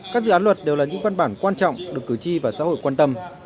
các dự án luật đều là những văn bản quan trọng được cử tri và xã hội quan tâm